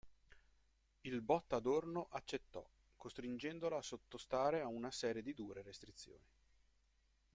Il Botta Adorno accettò, costringendola a sottostare a una serie di dure restrizioni.